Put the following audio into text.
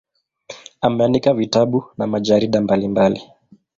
Ameandika vitabu na majarida mbalimbali.